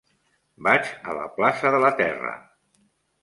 Vaig a la plaça de la Terra.